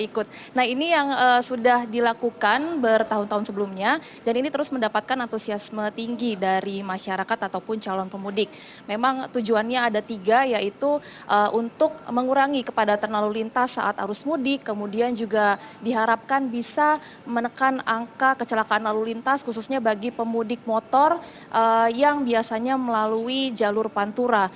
kita bisa menekan angka kecelakaan lalu lintas khususnya bagi pemudik motor yang biasanya melalui jalur pantura